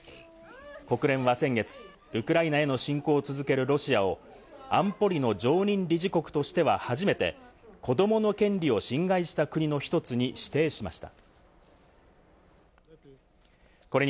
国連は先月、ウクライナへの侵攻を続けるロシアを安保理の常任理事国としては初めて、子どもの権利を侵害した国の１つに指定しました。